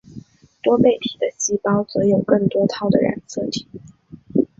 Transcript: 多倍体的细胞则有更多套的染色体。